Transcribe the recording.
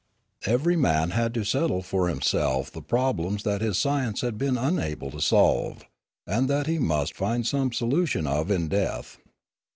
Every man had to settle for himself the problems that his science had been unable to solve, and that he must find some solution of in death.